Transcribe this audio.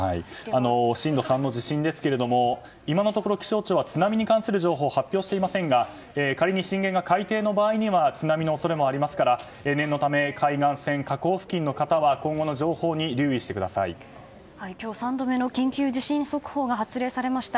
震度３の地震ですが今のところ、気象庁は津波に関する情報を発表していませんが仮に震源が海底の場合には津波の恐れもありますから念のため海岸線、河口付近の方は今日３度目の緊急地震速報が発令されました。